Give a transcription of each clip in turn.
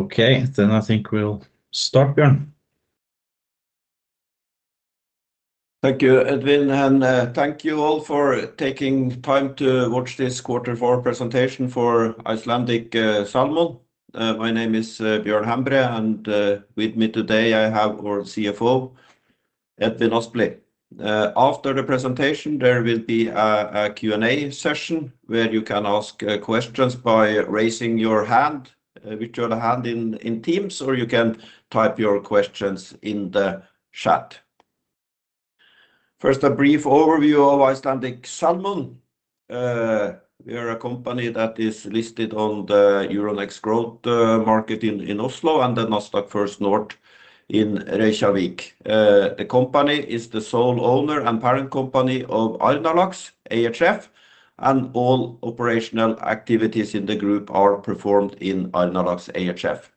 Okay, then I think we'll stop, Bjørn. Thank you, Edvin, and thank you all for taking time to watch this quarter four presentation for Icelandic Salmon. My name is Bjørn Hembre, and with me today I have our CFO, Edvin Aspli. After the presentation there will be a Q&A session where you can ask questions by raising your hand, whichever hand in Teams, or you can type your questions in the chat. First, a brief overview of Icelandic Salmon. We are a company that is listed on the Euronext Growth market in Oslo and the Nasdaq First North in Reykjavík. The company is the sole owner and parent company of Arnarlax ehf., and all operational activities in the group are performed in Arnarlax ehf.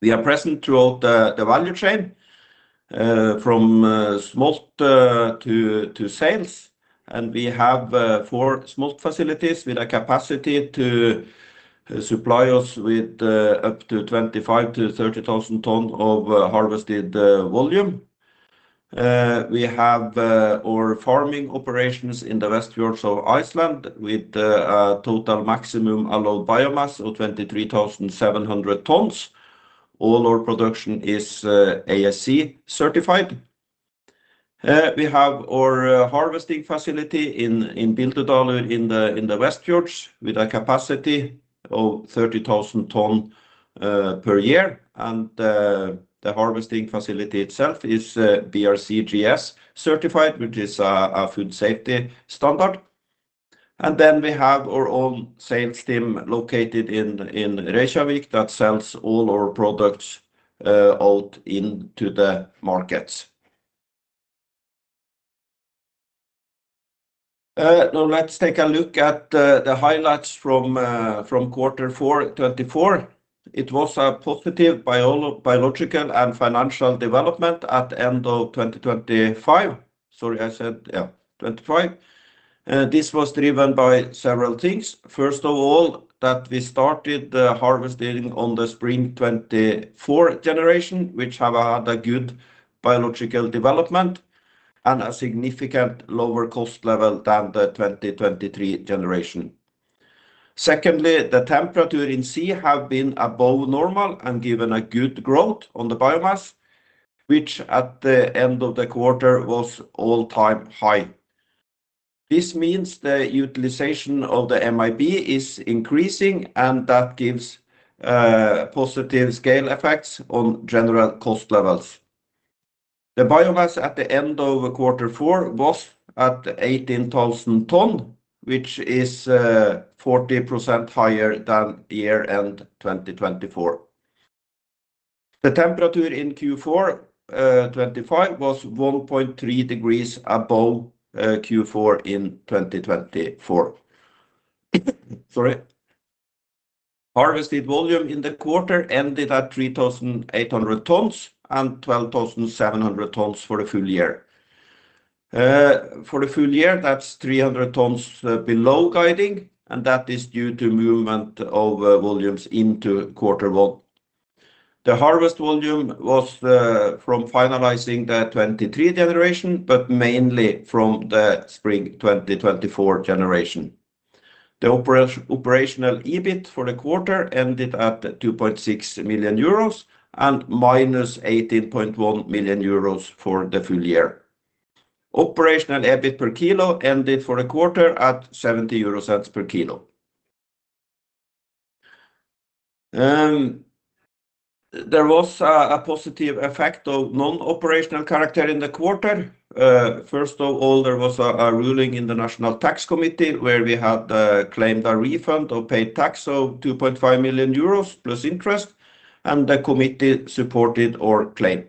We are present throughout the value chain, from smolt to sales, and we have four smolt facilities with a capacity to supply us with up to 25,000-30,000 tonnes of harvested volume. We have our farming operations in the Westfjords of Iceland with a total maximum allowed biomass of 23,700 tonnes. All our production is ASC certified. We have our harvesting facility in Bíldudalur in the Westfjords with a capacity of 30,000 tonnes per year, and the harvesting facility itself is BRCGS certified, which is a food safety standard. And then we have our own sales team located in Reykjavík that sells all our products out into the markets. Now let's take a look at the highlights from quarter four 2024. It was a positive biological and financial development at the end of 2025. Sorry, I said, yeah, 2025. This was driven by several things. First of all, that we started harvesting on the spring 2024 generation, which have had a good biological development and a significant lower cost level than the 2023 generation. Secondly, the temperature in sea have been above normal and given a good growth on the biomass, which at the end of the quarter was all-time high. This means the utilization of the MAB is increasing, and that gives positive scale effects on general cost levels. The biomass at the end of quarter four was at 18,000 tonnes, which is 40% higher than year-end 2024. The temperature in Q4 2025 was 1.3 degrees above Q4 in 2024. Sorry. Harvested volume in the quarter ended at 3,800 tonnes and 12,700 tonnes for the full year. For the full year, that's 300 tonnes below guiding, and that is due to movement of volumes into quarter one. The harvest volume was from finalizing the 2023 generation, but mainly from the spring 2024 generation. The operational EBIT for the quarter ended at 2.6 million euros and minus 18.1 million euros for the full year. Operational EBIT per kilo ended for the quarter at 0.70 per kilo. There was a positive effect of non-operational character in the quarter. First of all, there was a ruling in the National Tax Committee where we had claimed a refund of paid tax of 2.5 million euros plus interest, and the committee supported our claim.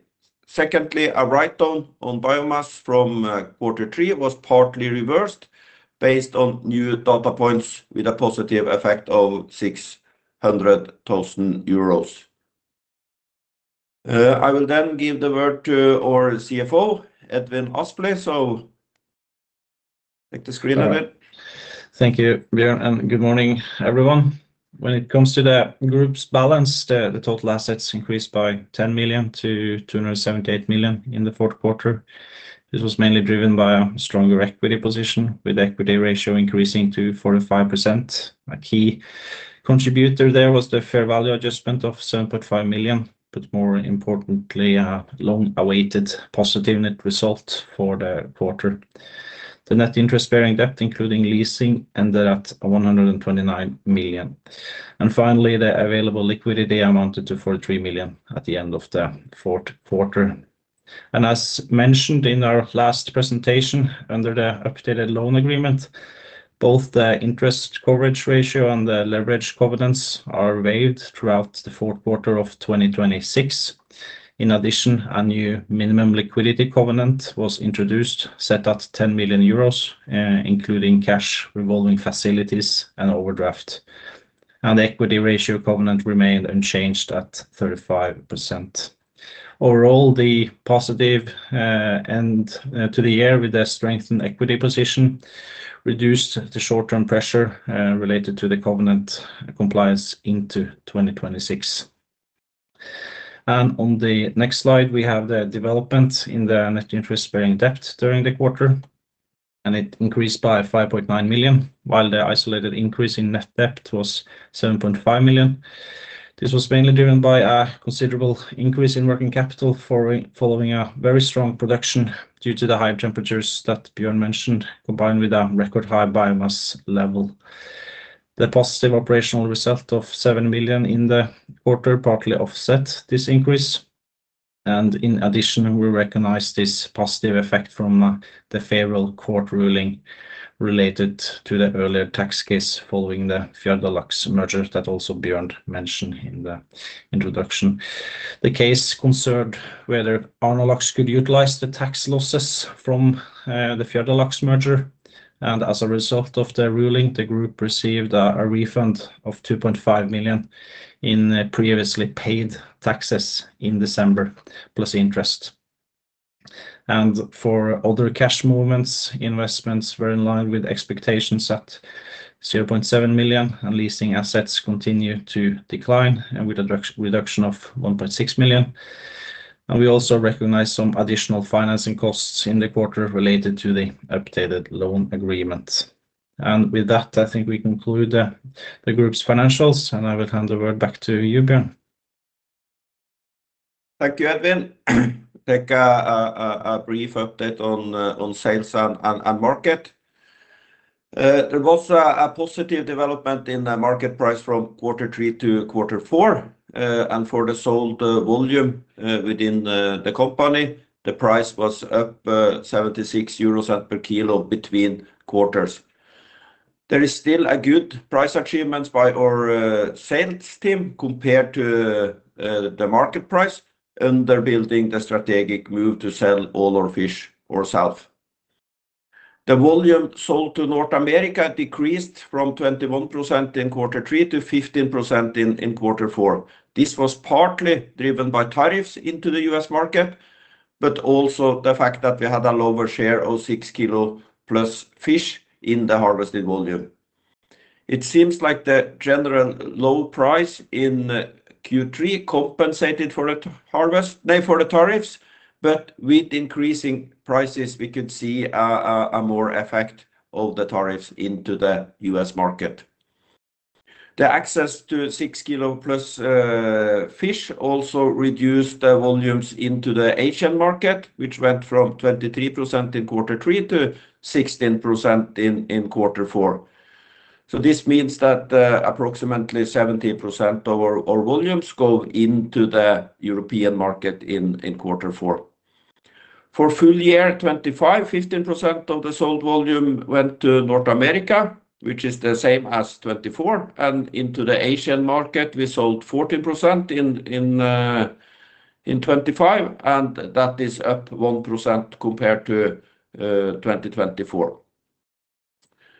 Secondly, a write-down on biomass from quarter three was partly reversed based on new data points with a positive effect of 600,000 euros. I will then give the word to our CFO, Edvin Aspli, so. Take the screen a bit. Thank you, Bjørn, and good morning, everyone. When it comes to the group's balance, the total assets increased by 10 million to 278 million in the fourth quarter. This was mainly driven by a stronger equity position with the equity ratio increasing to 45%. A key contributor there was the fair value adjustment of 7.5 million, but more importantly, a long-awaited positive net result for the quarter. The net interest bearing debt, including leasing, ended at 129 million. Finally, the available liquidity amounted to 43 million at the end of the fourth quarter. As mentioned in our last presentation under the updated loan agreement, both the interest coverage ratio and the leverage covenants are waived throughout the fourth quarter of 2026. In addition, a new minimum liquidity covenant was introduced, set at 10 million euros, including cash revolving facilities and overdraft. The equity ratio covenant remained unchanged at 35%. Overall, the positive end to the year with a strengthened equity position reduced the short-term pressure related to the covenant compliance into 2026. On the next slide, we have the development in the net interest bearing debt during the quarter. It increased by 5.9 million, while the isolated increase in net debt was 7.5 million. This was mainly driven by a considerable increase in working capital following a very strong production due to the higher temperatures that Bjørn mentioned, combined with a record high biomass level. The positive operational result of 7 million in the quarter partly offset this increase. In addition, we recognize this positive effect from the federal court ruling related to the earlier tax case following the Fjarðalax merger that also Bjørn mentioned in the introduction. The case concerned whether Arnarlax could utilize the tax losses from the Fjarðalax merger. As a result of the ruling, the group received a refund of 2.5 million in previously paid taxes in December plus interest. For other cash movements, investments were in line with expectations at 0.7 million, and leasing assets continue to decline with a reduction of 1.6 million. We also recognize some additional financing costs in the quarter related to the updated loan agreement. With that, I think we conclude the group's financials, and I will hand the word back to you, Bjørn. Thank you, Jónas. Take a brief update on sales and market. There was a positive development in the market price from quarter three to quarter four. For the sold volume within the company, the price was up 0.76 euros per kilo between quarters. There is still a good price achievement by our sales team compared to the market price under building the strategic move to sell all our fish ourselves. The volume sold to North America decreased from 21% in quarter three to 15% in quarter four. This was partly driven by tariffs into the U.S. market, but also the fact that we had a lower share of 6 kilos plus fish in the harvested volume. It seems like the general low price in Q3 compensated for the harvest, not for the tariffs, but with increasing prices, we could see a more effect of the tariffs into the U.S. market. The access to 6kg plus fish also reduced volumes into the Asian market, which went from 23% in quarter three to 16% in quarter four. So this means that approximately 70% of our volumes go into the European market in quarter four. For full year 2025, 15% of the sold volume went to North America, which is the same as 2024. And into the Asian market, we sold 14% in 2025, and that is up 1% compared to 2024.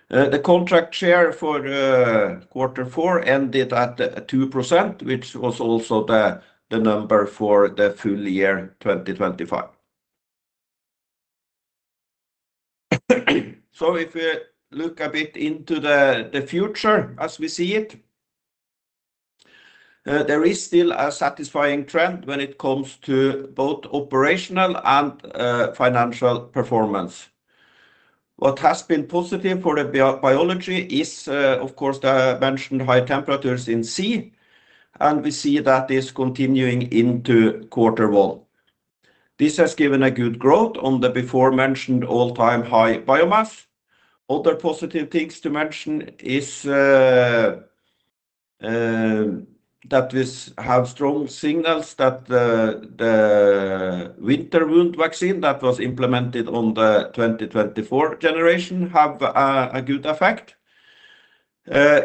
The contract share for quarter four ended at 2%, which was also the number for the full year 2025. So if we look a bit into the future as we see it, there is still a satisfying trend when it comes to both operational and financial performance. What has been positive for the biology is, of course, the mentioned high temperatures in sea. And we see that is continuing into quarter one. This has given a good growth on the before-mentioned all-time high biomass. Other positive things to mention are that we have strong signals that the winter wound vaccine that was implemented on the 2024 generation has a good effect.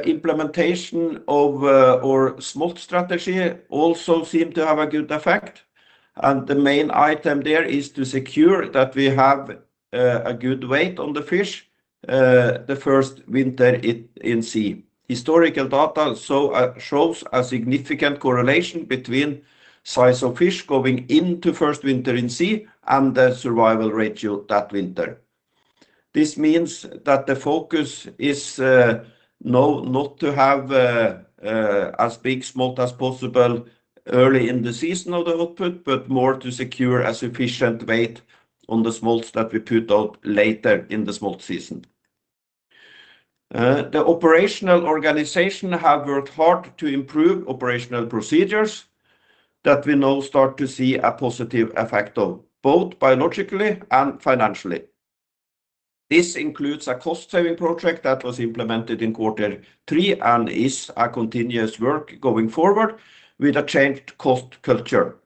Implementation of our smolt strategy also seemed to have a good effect. And the main item there is to secure that we have a good weight on the fish the first winter in sea. Historical data shows a significant correlation between the size of fish going into first winter in sea and the survival ratio that winter. This means that the focus is not to have as big smolt as possible early in the season of the output, but more to secure a sufficient weight on the smolts that we put out later in the smolt season. The operational organization has worked hard to improve operational procedures that we now start to see a positive effect on both biologically and financially. This includes a cost-saving project that was implemented in quarter three and is a continuous work going forward with a changed cost culture.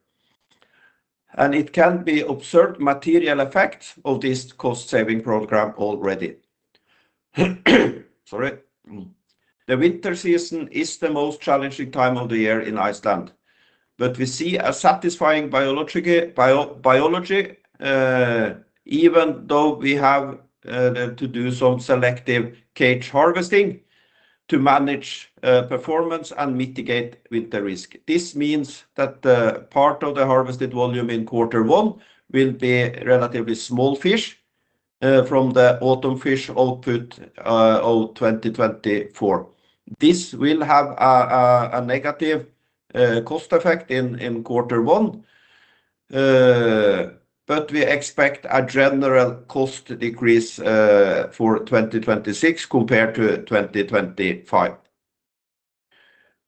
It can be observed material effects of this cost-saving program already. Sorry. The winter season is the most challenging time of the year in Iceland. But we see a satisfying biology, even though we have to do some selective cage harvesting to manage performance and mitigate winter risk. This means that part of the harvested volume in quarter one will be relatively small fish from the autumn fish output of 2024. This will have a negative cost effect in quarter one. But we expect a general cost decrease for 2026 compared to 2025.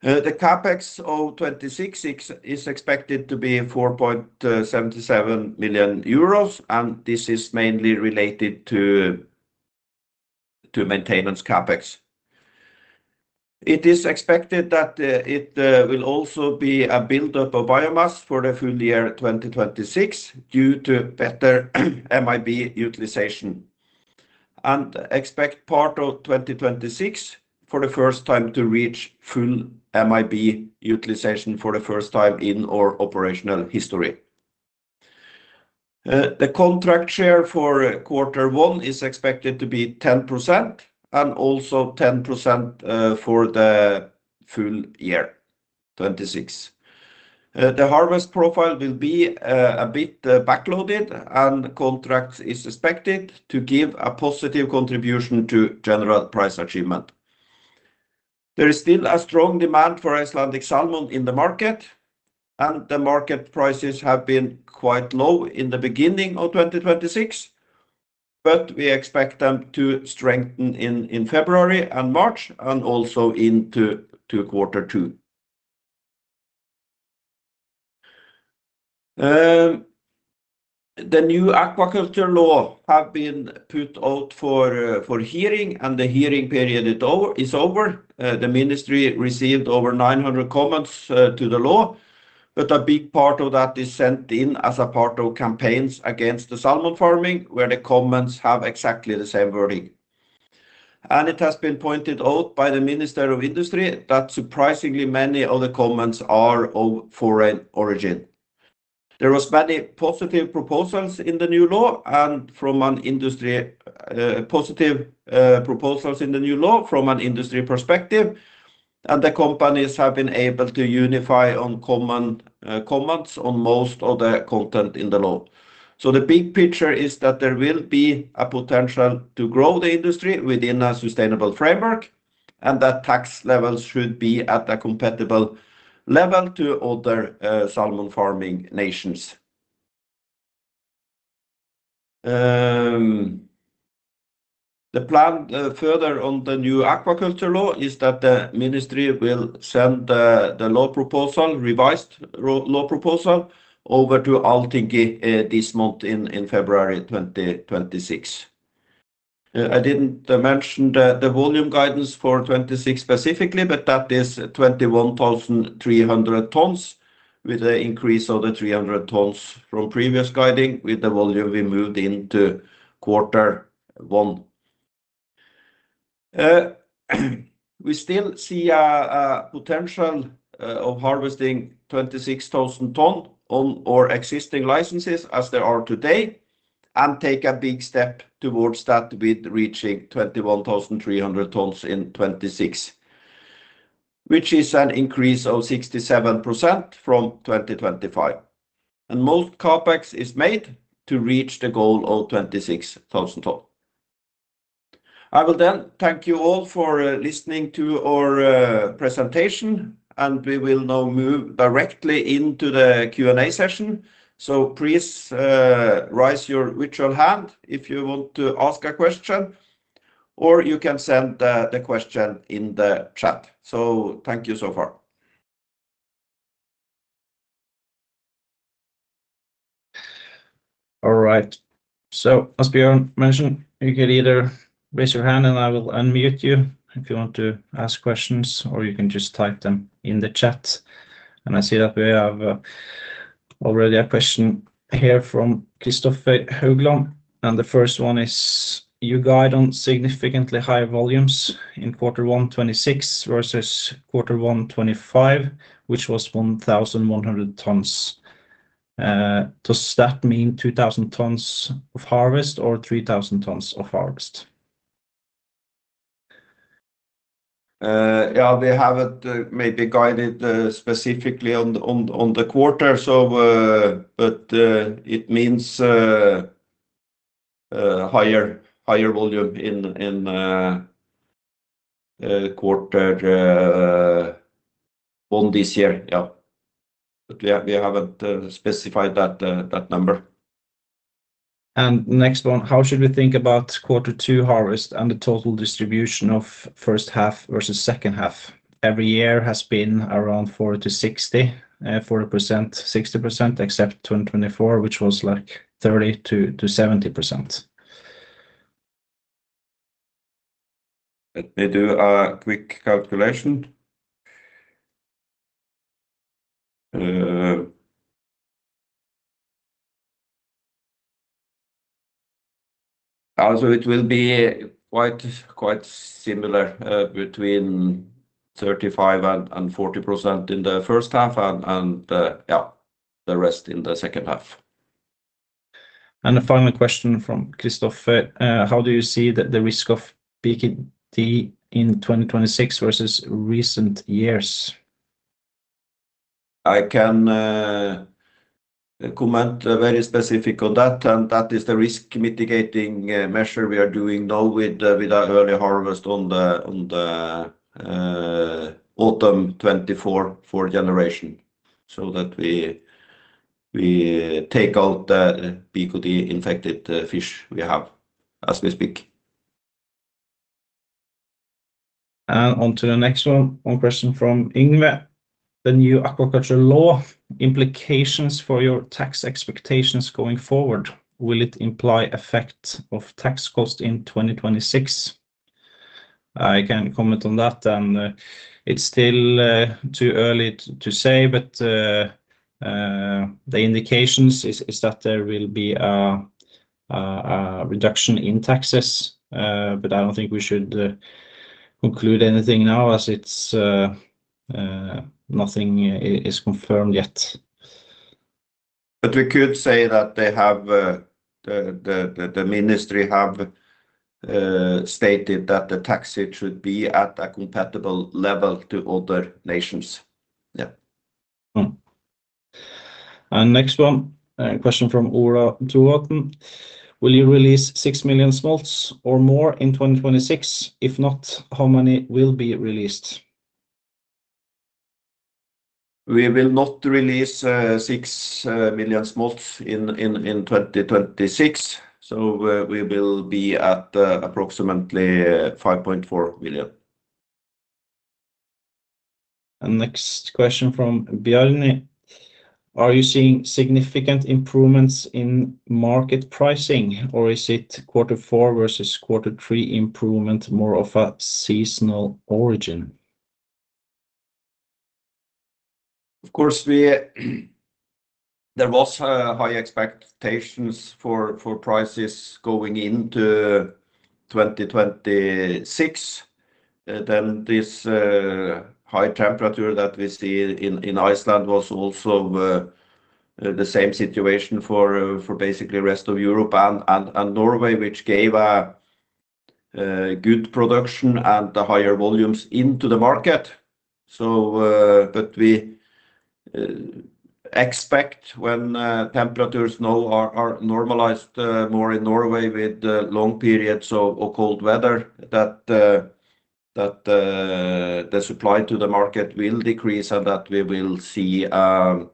The CapEx of 2026 is expected to be 4.77 million euros, and this is mainly related to maintenance CapEx. It is expected that it will also be a buildup of biomass for the full year 2026 due to better MAB utilization. And expect part of 2026 for the first time to reach full MAB utilization for the first time in our operational history. The contract share for quarter one is expected to be 10% and also 10% for the full year, 2026. The harvest profile will be a bit backloaded, and the contract is expected to give a positive contribution to general price achievement. There is still a strong demand for Icelandic Salmon in the market, and the market prices have been quite low in the beginning of 2026. But we expect them to strengthen in February and March and also into quarter two. The new aquaculture law has been put out for hearing, and the hearing period is over. The Ministry received over 900 comments to the law. But a big part of that is sent in as a part of campaigns against the salmon farming, where the comments have exactly the same wording. And it has been pointed out by the Minister of Industry that surprisingly many of the comments are of foreign origin. There were many positive proposals in the new law and from an industry positive proposals in the new law from an industry perspective. The companies have been able to unify on common comments on most of the content in the law. So the big picture is that there will be a potential to grow the industry within a sustainable framework and that tax levels should be at a compatible level to other salmon farming nations. The plan further on the new aquaculture law is that the ministry will send the law proposal, revised law proposal, over to Alþingi this month in February 2026. I didn't mention the volume guidance for 2026 specifically, but that is 21,300 tons with an increase of the 300 tons from previous guiding with the volume we moved into quarter one. We still see a potential of harvesting 26,000 tons on our existing licenses as there are today and take a big step towards that with reaching 21,300 tons in 2026, which is an increase of 67% from 2025. Most CapEx is made to reach the goal of 26,000 tons. I will then thank you all for listening to our presentation, and we will now move directly into the Q&A session. Please raise your virtual hand if you want to ask a question, or you can send the question in the chat. Thank you so far. All right. So as Bjørn mentioned, you could either raise your hand and I will unmute you if you want to ask questions, or you can just type them in the chat. And I see that we have already a question here from Kristoffer Haugland. And the first one is, "You guide on significantly higher volumes in quarter one, 2026, versus quarter one, 2025, which was 1,100 tons. Does that mean 2,000 tons of harvest or 3,000 tons of harvest? Yeah, we haven't maybe guided specifically on the quarter, but it means higher volume in quarter one this year. Yeah. But we haven't specified that number. And next one, "How should we think about quarter two harvest and the total distribution of first half versus second half? Every year has been around 40%-60%, 40%-60%, except 2024, which was like 30%-70%. Let me do a quick calculation. Also, it will be quite similar between 35%-40% in the first half and, yeah, the rest in the second half. A final question from Kristoffer. "How do you see the risk of PKD in 2026 versus recent years? I can comment very specifically on that. That is the risk mitigating measure we are doing now with our early harvest on the autumn 2024 for generation so that we take out the PKD-infected fish we have as we speak. On to the next one, one question from Yngve. "The new aquaculture law, implications for your tax expectations going forward. Will it imply effect of tax costs in 2026?" I can comment on that. It's still too early to say, but the indications are that there will be a reduction in taxes. But I don't think we should conclude anything now as nothing is confirmed yet. But we could say that the Ministry has stated that the taxes should be at a compatible level to other nations. Yeah. Next one, a question from Ola Trovatn. "Will you release 6 million smolts or more in 2026? If not, how many will be released? We will not release 6 million smolts in 2026. We will be at approximately 5.4 million. Next question from Bjørn. "Are you seeing significant improvements in market pricing, or is it quarter four versus quarter three improvement more of a seasonal origin? Of course, there were high expectations for prices going into 2026. Then this high temperature that we see in Iceland was also the same situation for basically the rest of Europe and Norway, which gave a good production and higher volumes into the market. But we expect when temperatures now are normalized more in Norway with long periods of cold weather that the supply to the market will decrease and that we will see an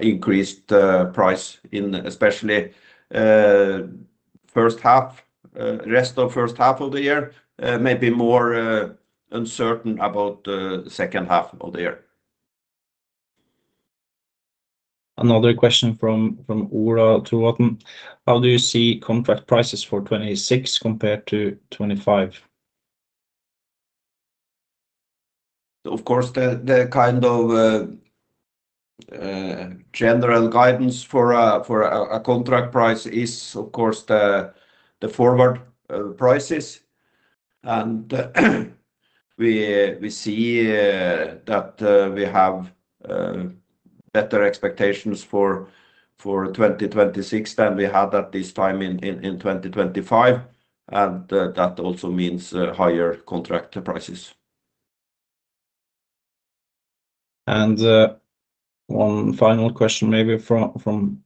increased price, especially the rest of the first half of the year, maybe more uncertain about the second half of the year. Another question from Ola Trovatn. "How do you see contract prices for 2026 compared to 2025? Of course, the kind of general guidance for a contract price is, of course, the forward prices. We see that we have better expectations for 2026 than we had at this time in 2025. That also means higher contract prices. One final question maybe from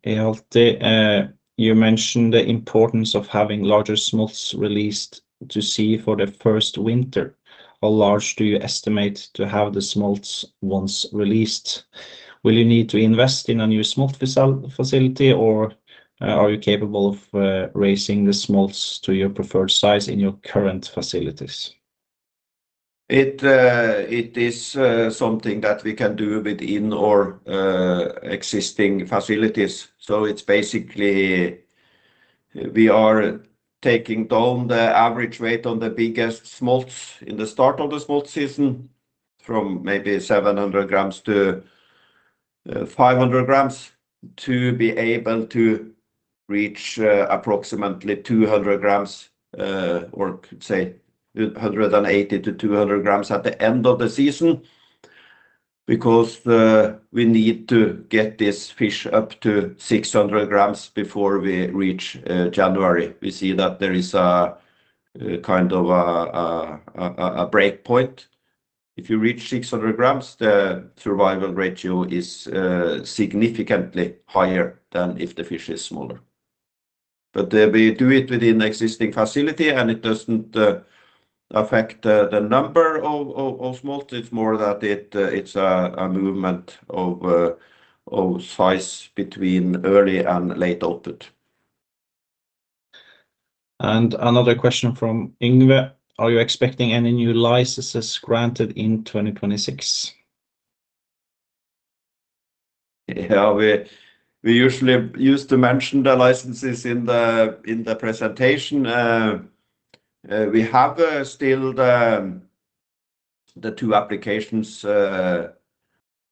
Hjalti. "You mentioned the importance of having larger smolts released to sea for the first winter. How large do you estimate to have the smolts once released? Will you need to invest in a new smolt facility, or are you capable of raising the smolts to your preferred size in your current facilities? It is something that we can do within our existing facilities. So it's basically we are taking down the average weight on the biggest smolts in the start of the smolt season from maybe 700 grams to 500 grams to be able to reach approximately 200 grams or, say, 180-200 grams at the end of the season because we need to get this fish up to 600 grams before we reach January. We see that there is a kind of a breakpoint. If you reach 600 grams, the survival ratio is significantly higher than if the fish is smaller. But we do it within the existing facility, and it doesn't affect the number of smolts. It's more that it's a movement of size between early and late opened. Another question from Yngve. "Are you expecting any new licenses granted in 2026? Yeah, we usually used to mention the licenses in the presentation. We have still the two applications for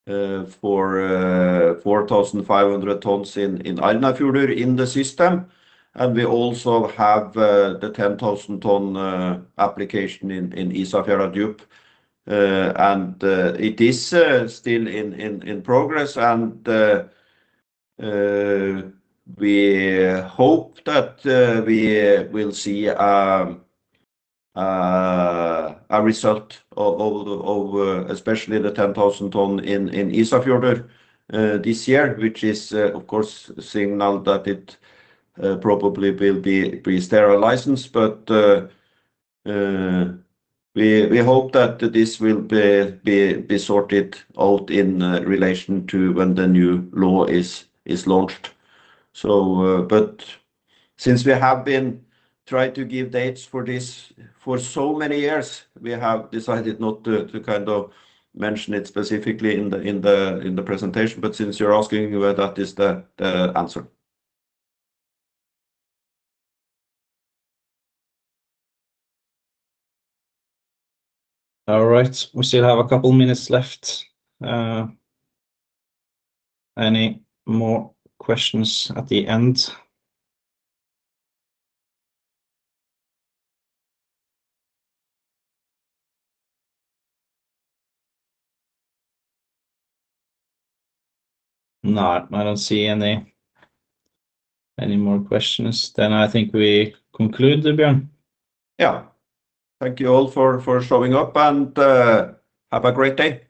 4,500 tons in Arnarfjörður in the system. And we also have the 10,000-ton application in Ísafjarðardjúp. And it is still in progress. And we hope that we will see a result, especially the 10,000 ton in Ísafjörður this year, which is, of course, a signal that it probably will be a sterile license. But we hope that this will be sorted out in relation to when the new law is launched. But since we have been trying to give dates for this for so many years, we have decided not to kind of mention it specifically in the presentation. But since you're asking, that is the answer. All right. We still have a couple of minutes left. Any more questions at the end? No, I don't see any more questions. Then I think we conclude there, Bjørn. Yeah. Thank you all for showing up and have a great day. Take care.